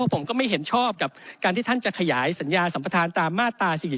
ผมก็ไม่เห็นชอบกับการที่ท่านจะขยายสัญญาสัมประธานตามมาตรา๔๔